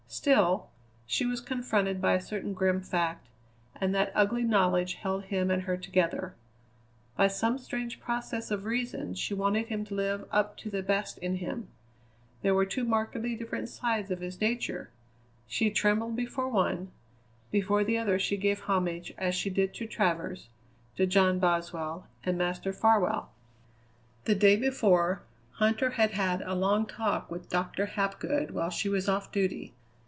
Still, she was confronted by a certain grim fact, and that ugly knowledge held him and her together. By some strange process of reason she wanted him to live up to the best in him. There were two markedly different sides of his nature; she trembled before one; before the other she gave homage as she did to Travers, to John Boswell, and Master Farwell. The day before, Huntter had had a long talk with Doctor Hapgood while she was off duty.